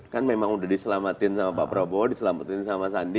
kan memang udah diselamatin sama pak prabowo diselamatin sama sandi